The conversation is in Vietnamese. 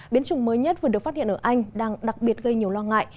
biến chủng mới nhất vừa được phát hiện ở anh đang đặc biệt gây nhiều lo ngại